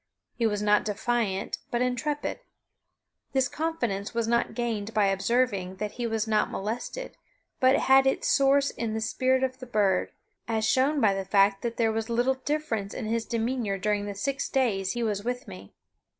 He was not defiant, but intrepid. This confidence was not gained by observing that he was not molested, but had its source in the spirit of the bird, as shown by the fact that there was little difference in his demeanor during the six days he was with me.